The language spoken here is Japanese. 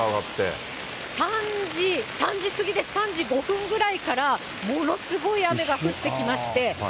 ３時、３時過ぎです、３時５分ぐらいから、ものすごい雨が降ってきまして。